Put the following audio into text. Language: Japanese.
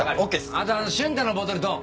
あとあの瞬太のボトルドン。